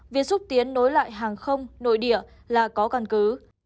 việc xúc tiến nối lại hàng không nội địa là có căn cứ